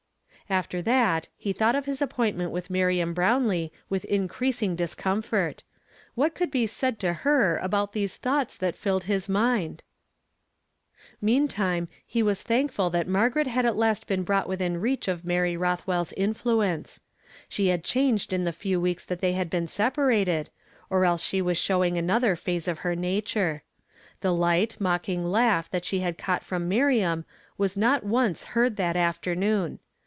After that, he thought of liis appointment with Miriam Hrown lee with increasing discomfort. What could be said to her about these thoughts that lilled his mind ? Meantime, he was tlninkful tliut Margaret had at last been brought within readi of Mary Koth well's influence. She had changed in the few weeks that they had been separated, or else she was showing anotlier phase of her nature. The light, mocking laugh that she had caught from Miriam was not once heard that afternoon.